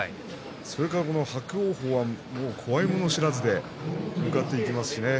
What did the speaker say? それから伯桜鵬は怖いもの知らずで向かっていきますしね。